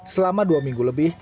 selama dua minggu lebih